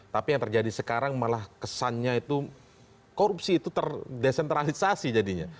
tapi yang terjadi sekarang malah kesannya itu korupsi itu terdesentralisasi jadinya